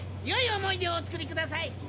よい思い出をお作りください。